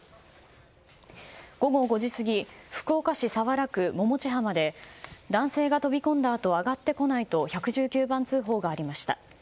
午後５時過ぎ福岡市早良区百道浜で男性が飛び込んだあと上がってこないと１１９番通報がありました。